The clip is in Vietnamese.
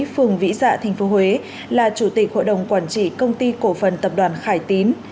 phường vĩ dạ tp huế là chủ tịch hội đồng quản trị công ty cổ phần tập đoàn khải tín